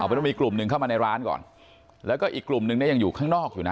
เป็นต้องมีกลุ่มหนึ่งเข้ามาในร้านก่อนแล้วก็อีกกลุ่มนึงเนี่ยยังอยู่ข้างนอกอยู่นะ